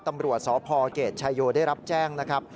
ตำรวจสพเกรดชายโยได้รับแจ้งนะครับ